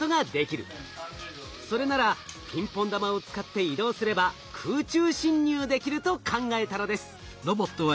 それならピンポン玉を使って移動すれば空中侵入できると考えたのです。